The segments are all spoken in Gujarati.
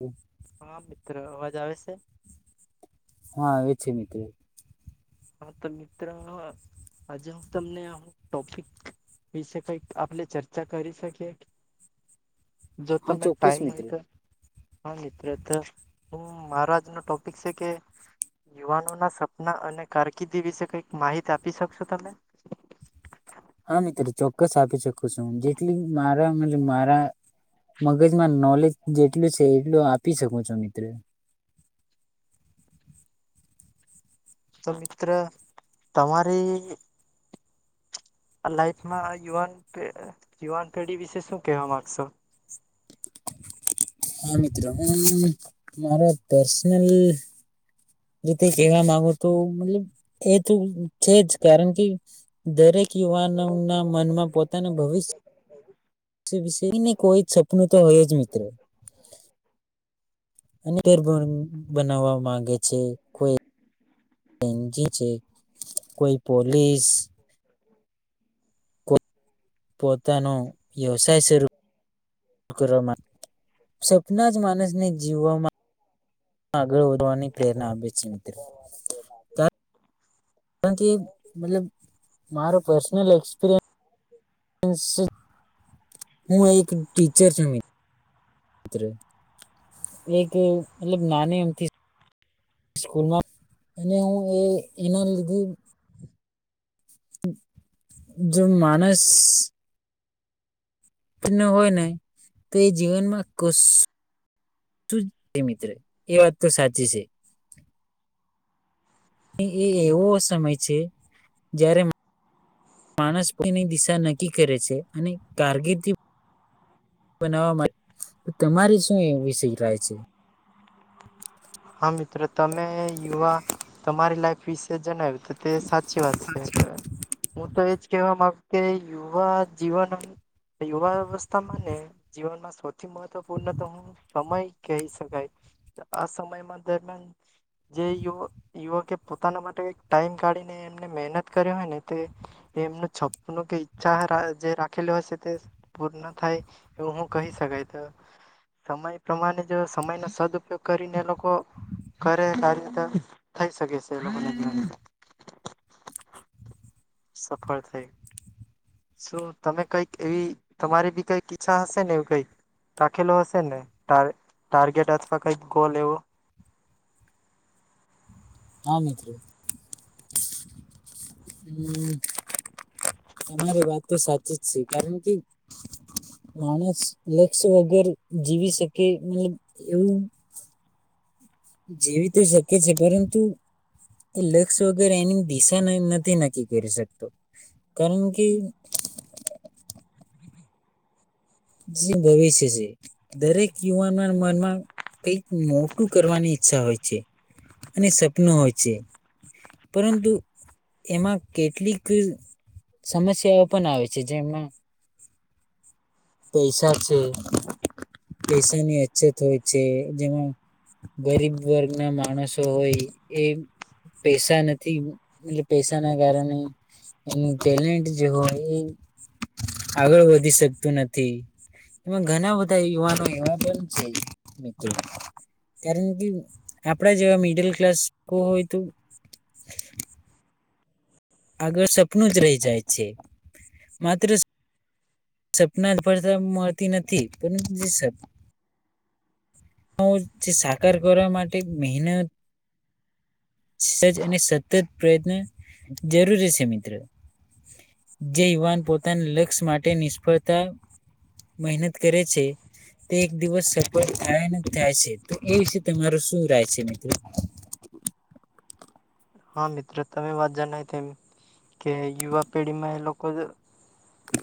હમ્મ. હા મિત્ર, અવાજ આવે સે? હા આવે છે મિત્ર. હા તો મિત્ર આજે હું તમને અમુક ટોપિક વિશે કંઈક આપણે ચર્ચા કરી શકીએ. જો હા તમે ચોક્કસ ટાઈમ મિત્ર હોય તો? હા મિત્ર તો હું મારો આજનો ટોપિક સે કે યુવાનો ના સપના અને કારકિર્દી વિશે કંઈક માહિત આપી શકશો તમે? હા મિત્ર ચોક્કસ આપી શકું છું. હું જેટલી મારા મતલબ મારા મગજમાં નોલેજ જેટલી છે એટલું આપ આપી શકું છું મિત્ર. તો મિત્ર તમારી લાઈફમાં યુવાન પે યુવાન પેઢી વિશે શું કહેવા માંગશો? હા મિત્ર હું મારા પર્સનલ રીતે કહેવા માંગો તો મતલબ એ તો છે જ કારણ કે દરેક યુવાનોના મનમાં પોતાના ભવિષ્ય કોઈને કોઈ સપનું તો હોય જ મિત્ર અનેે [unintelligible] બનવા માંગે છે કોઈ એનજી છે કોઈ પોલીસ કોઈ પોતાનો વ્યવસ સાય શરૂ કરવા માંગે, સપના જ માનસને જીવવામાં આગળ વધવાની પ્રેરણા આપે છે મિત્ર. પન કારણ કે મતલબ મારો પર્સનલ એક્સપિરિયન્સ હું એક ટીચર છું મિ મિત્ર એક મતલબ નાની અમથી સ્કૂલમાં અને હું એ એના લીધે જો માણસ હોય ને તો એ જીવનમાં કશ શું જ મિત્ર એ વાત તો સાચી છે. એ એવો સમય છે જ્યારે માનસપની દિશા નક્કી કરે છે અને કારકિર્દી બનાવવા માટે તમારી શું એ વિષય રહેાય છે? હા મિત્રો તમે યુવા તમારી લાઈફ વિશે જણાવ્યું તે સાચી વાત છે હું તો એજ કેવા મા કે યુવા જીવન યુવા વ્યવસ્થામાં ને જીવનમાં મહત્વપૂર્ણ તો હું સમય કહી શકાય આ સમય દરમિયાન જે યુવકે પોતાના માટે ટાઈમ કાઢીને એમને મહેનત કરી હોય ને તે એમનું છપ કે ઈચ્છા જે રાખેલી હશે તે પૂર્ણ થાય એવું હું કહી શકાય. તો સમય પ્રમાણે જો સમયનો સદઉપયોગ કરીને લોકો કરે તારી રીતે થઈ શકે છે એ લોકોને તો. સફળ થયું. શું તમે કઈક એવી તમારી બી કઈક ઈચ્છા હશે ને એ કઈક રાખેલો હશે ને ટાર્ગેટ અથવા કઈક ગોલ એવો? હા મિત્રો. હમ્મ તમારી વાત તો સાચી જ છે કારણ કે માણસ લક્ષ્ય વગર જીવી શકે મતલબ એવું જેવી તો શકે છે પરંતુ એ લક્ષ વગેરે એની દિશા નથી નક્કી કરી શકતો કારણ કે જે ભવિષ્ય છે દરેક યુવાનોના મનમાં કઈક મોટું કરવાની ઈચ્છા હોય છે અને સપનું હોય છે પરંતુ એમાં કેટલીક સમસ્યાઓ પણ આવે છે જેમાં પૈસા છે પૈસાની અછત હોય છે જેમાં ગરીબ વર્ગ ના માણસો હોય એ પૈસા નથી એટલે પૈસાના કારણે એમનું ટેલેન્ટ જે હોય એ આગળ વધી શકતું ન એમાં ઘણા બધા યુવાનો એવા છે મિત્રો. કારણ કે આપડા જેવા મિડલ ક્લાસ હોય તો આગળ સપનું જ રહી જાય છે માત્ર સપના જ ભરતા મળતી નથી પરંતુ સપ હ જે સાકાર કરવા માટે મહેનત સજજ અને સતત પ્રયત્ન જરૂરી છે મિત્રો. જે યુવાન પોતાના લક્ષ્ય માટે નિષ્ફળતા મહેનત કરે છે તે એક દિવસ સફળ થાય થાય છે તો એ વિશે તમારો શું રાય છે મિત્રો? હા મિત્રો તમે વાત જણાવ એમ કે યુવા પેઢીમાં એ લોકો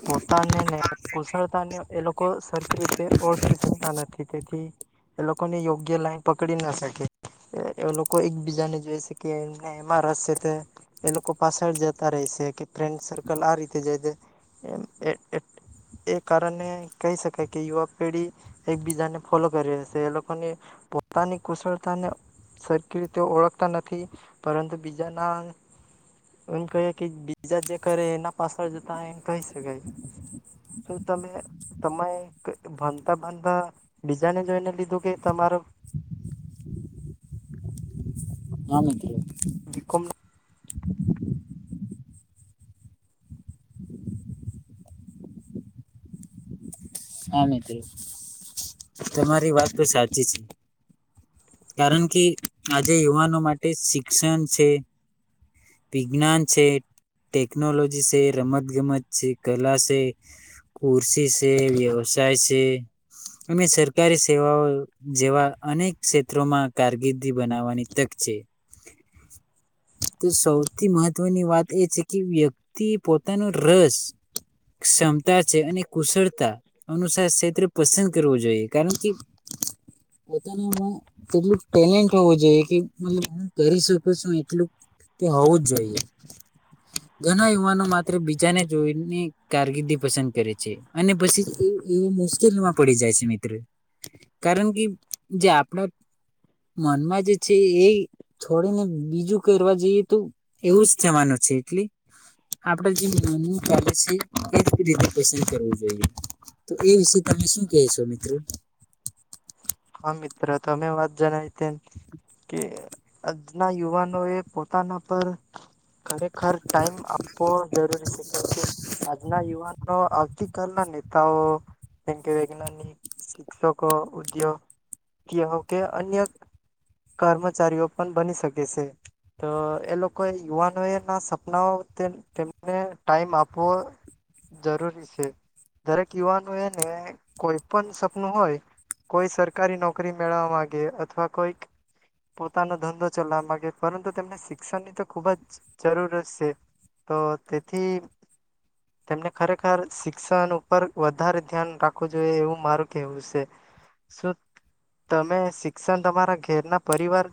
પોતાને ને કુશળતા ને એ લોક કો સરખી રીતે ઓળખી શકતા ન થી તેથી એ લોકોને યોગ્ય લાઈન પકડી ન શકે, એ લોકો એકબીજાને જોઈ શકે એમાં રસેલ તે એ લોકો પાસળ જતા રેય સે કે ફ્રેન્ડ સર્કલ આ રીતે જાય તે એ એ એ કારણે કહી શકાય કે યુવા પેઢી એકબીજાને ફોલો કરી રસે એ લોકોને પોતાની કુશળતાને સરખી રીતે ઓળખતા નથી પરંતુ બીજાના એમ કહીએ કે બીજા જે કરે એના પાસળ જતા એમ કહી શકાય, શું તમને તમે ભનતા ભનતા બીજાને જોઈને લીધું કે તમારો હા મિત્ર. બી કોમ હા મિત્ર તમારી વાત તો સાચી છે, કારણ કે આજે યુવાનો માટે શિક્ષણ સે, વિજ્ઞાન છે, ટેકનોલોજી સે, રમત ગમત છે, કલા સે, કુરશી સે, વ્યવસ વસાય સે અને સરકારી સેવાઓ જેવા અનેક ક્ષેત્રોમાં કારકિર્દી બનાવવાની તક છે, તો સૌથી મહત્વની વાત એ છે કે વ્યક્તિ પોતાનો રસ ક્ષમતા છે અને કુશળતા અનુસાર સેત્ર પસંદ કરવું જોઈએ, કારણ કે પોતાનામાં તેટલું ટેલેન્ટ હોવું જોઈએ કે મતલબ હું કરી શકુ છું એટલું તો હોવું જ જોઈએ ઘણા યુવાનો માત્ર બીજાને જોઈને કારકિર્દી પસંદ કરે છે અને પછી એ એવી મુશ્કેલીમાં પડી જાય છે મિત્ર, કારણ કે જે આપણા મનમાં જે છે એ છોડીને બીજું કરવા જઈએ તો એવું જ થવાનું છે, એટલે આપડા જે મનનું કાર્ય સે એ રીતે પસંદ કરવું જોઈએ તો એ વિશે તમે શું કેય સો મિત્ર? હા મિત્ર તમે વાત જણાય તેમ કે આજના યુવાનોએ પોતાના પર ખરેખર ટાઈમ આપવો જરૂરી સે, કેમકે આજના યુવાનો આવતીકાલના નેતાઓ જેમકે વૈજ્ઞાનિક, શિક્ષકો, ઉદ્યોગ કેવો કે અન્ય કર્મચારીઓ પણ બની શકે સે, તો એ લોકોએ યુવાનો એ ના સપનાઓ તે તેમને ટાઈમ આપવો જરૂરી સે, દરેક યુવાનો એને કોઈ પણ સપનું હોય કોઈ સર કારી નોકરી મેળવવા માગે અથવા કોઈક પોતાનો ધંધો ચલાવા માગે પરંતુ તેમને શિક્ષણની તો ખૂબ જ જરૂરત સે, તો તેથી તેમને ખરેખર શિક્ષણ ઉપર વધારે ધ્યાન રાખવું જોઈએ એવું મારું કહેવું સે, શું તમે શિક્ષણ તમારા ઘેરના પરિવાર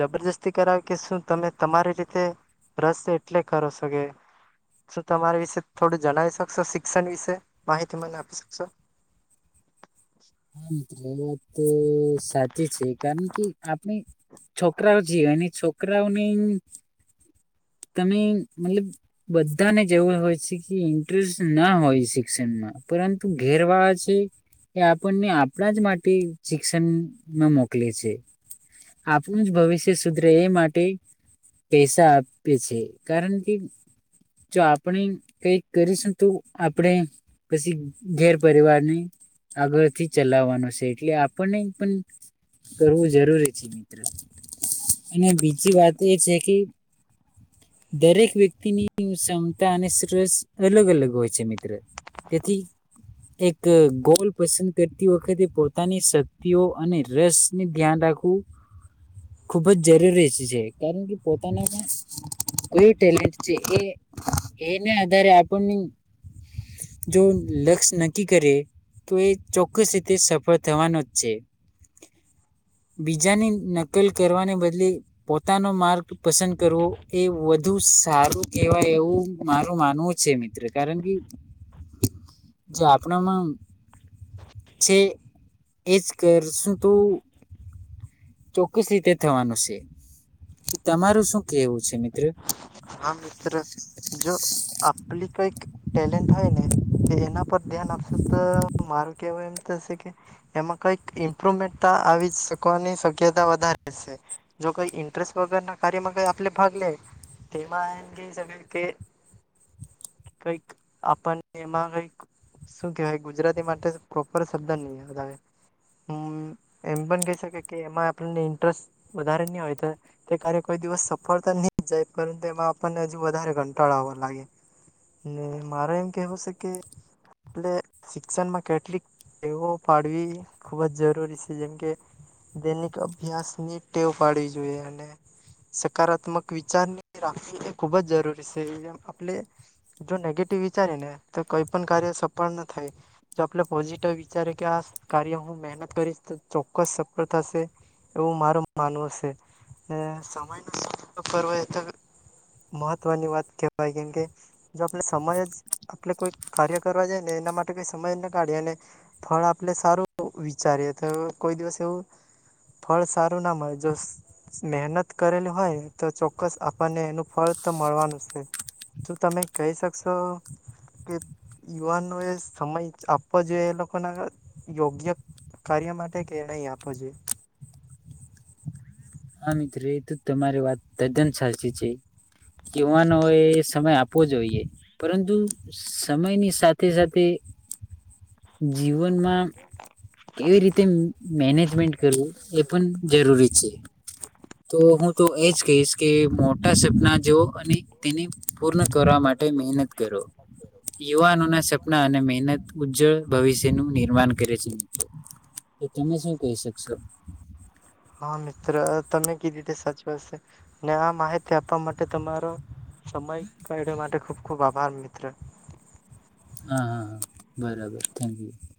જબરજસ્તી કરાવ કે શું તમે તમારી રીતે રસે એટલે કરો સો કે શું તમારી વિશે થોડું જણાવી શકશો શિક્ષણ વિશે માહિતી મને આપી શકશો? હા મિત્ર એ વાત સાચી છે કારણ કે આપણે છોકરાઓ છીએ અને છોકરાઓની તમે મતલબ બધાને જેવા હોય છે કે ઇન્ટરેસ્ટ ના હોય શિક્ષનમાં પરંતુ ઘેરવાળા છે એ આપણને આપણા જ માટે શિક્ષનમાં મોકલે છે, આપણું જ ભવિષ્ય સુધરે એ માટે પૈસા આ પે છે, કારણ કે જો આપણે કઈક કરીશું તો આપણે પછી ઘેર પરિવારને આગળથી ચલાવવાનો સે એટલે આપણને પન કરવું જરૂરી છે મિત્ર અને બીજી વાત એ છે કે દરેક વ્યક્તિની ક્ષમતા અને રસ અલગ અલગ હોય છે મિત્ર. તેથી એક ગોલ પસંદ કરતી વખતે પોતાની શક્તિઓ અને રસને ધ્યાન રાખવું ખૂબ જ જરૂરી છે. કારણ કે પોતાના પણ કોઈ ટેલેન્ટ છે એ એને આધારે આપણને જો લક્ષ નક્કી કરે તો એ ચોક્કસ રીતે સફળ થવાનો જ છે. બીજાની નકલ કરવાને બદલે પોતાનો માર્ગ પસંદ કરવો એ વધુ સારું કેહેવાય એવું મારું માનવું છે મિત્ર. કારણ કે જે આપણામાં છે એજ કરશું તો ચોક્કસ રીતે થવાનું શે. કે તમારું શું કેહેવું છે? શે મિત્ર. હા મિત્ર જો આપલી કઈક ટેલેન્ટ હોય ને તો એના પર ધ્યાન આપશો તો મારું કેવું એમ થશે કે એમાં કંઈક ઇમ્પ્રુવમેન્ટ આવી શકવાની શક્યતા વધારે છે. જો કંઈ ઇન્ટરેસ્ટ વગરના કાર્યમાં કંઈ આપણે ભાગ લે તેમાં એમ કહી શકે કે કઈક આપણને એમાં કઈક શું કેહેવાય ગુજરાતી માટે પ્રોપર શબ્દ નહી એમ પણ કહી શકે કે એમાં આપણને ઇન્ટરેસ્ટ વધારે નહી હોય તો તે ક્ય કોઈ દિવસ સફળતા નહી જાય પરંતુ એમાં આપણને હજુ વધારે કંટાળ આવવા લાગે ને મારો એમ કેહેવું શે કે આપ શિક્ષણમાં કેટલીક ટેવો પાડવી ખુબ જ જરૂરી શે. જેમ કે દૈનિક અભ્યાસની ટેવ પાડવી જોઈએ અને સકારાત્મક વિચારની રાવી એ ખુબ જ જરૂરી શે આપણે જો નેગેટિવ વિચારી ને તો કઈ પણ કાર્ય સફળ ન થાય જો આપણે પોઝિટિવ વિચારે કે આ કાર્ય હું મહેનત કરીશ તો ચોક્કસ સફળ થશે એવું મારું માનવું શે ને સમય ન કર તો મહત્વની વાત કેહેવાય કેમ કે જો આપણે સમય જ આપણે કોઈ કાર્ય કરવા જાય ને એના માટે કઈ સમય જ ના કાઢીએ અને ફળ આપણે સારું વિચારીએ તો કોઈ દિવસ એવું ફળ સારું ના મળે જો મહેનત કરેલી હોયને તો ચોક્કસ આ ને એનું ફળ તો મળવાનું શે. જો તમે કહી શકશો કે યુવાનો એ સમય આપવો જોઈએ એ લોકો ના યોગ્ય કાર્ય માટે કે નહી આપવો જોઈએ? હા મિત્ર એ તો તમારે વાત તદ્દન સાચી છે. કેવાનો હોય સમય આપવો જોઈએ. પરંતુ સમયની સાથે સાથે જીવનમાં કેવી રીતે મેનેજમેન્ટ કરવું એ પણ જરૂરી છે. તો હું તો એજ કહીશ કે મોટા સપના જો અને તેને પૂર્ણ કરવા માટે મહેનત કરો. યુવાનોના સપના અને મહેનત ઉજ્જવળ ભવિષ્યનું નિર્માણ કરે છે મિત્ર. તો તમે શું કહી શકશો? હા મિત્ર તમે કીધી તે સાચી વાત શે ને આ માહિતી આપવા માટે તમારો સમય કાવા માટે ખૂબ ખૂબ આભાર મિત્ર. હા હા હા બરાબર થેન્ક યુ.